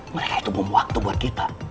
mereka itu bom waktu buat kita